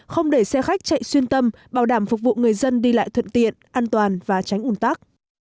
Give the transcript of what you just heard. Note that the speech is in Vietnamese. không để xe khách chạy xuyên tâm bảo đảm phục vụ người dân đi lại thuận tiện an toàn và tránh ủn tắc